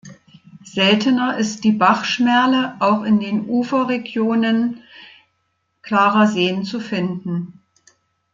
Seltener ist die Bachschmerle auch in den Uferregionen klarer Seen zu finden.